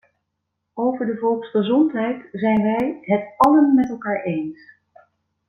Over de volksgezondheid zijn wij het allen met elkaar eens.